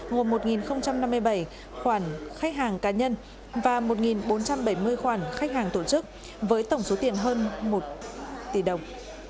gồm một năm mươi bảy khoản khách hàng cá nhân và một bốn trăm bảy mươi khoản khách hàng tổ chức với tổng số tiền hơn một tỷ đồng